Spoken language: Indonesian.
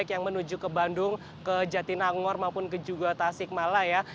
yang memandang ke jatinangor maupun ke juga tasik malaya